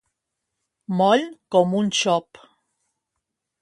Moll com un xop.